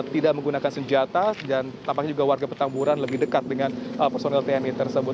tidak menggunakan senjata dan tampaknya juga warga petamburan lebih dekat dengan personel tni tersebut